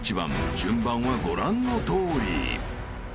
［順番はご覧のとおり］